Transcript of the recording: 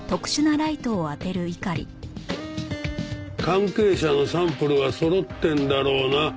関係者のサンプルはそろってんだろうな？